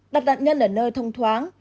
đặt nặn nhân ở nơi thông thoáng